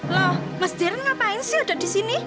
loh mas dern ngapain sih udah di sini